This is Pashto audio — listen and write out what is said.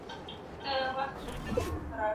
زکات د ټولني اقتصاد پیاوړی کوي.